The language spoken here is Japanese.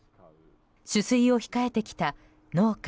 取水を控えてきた農家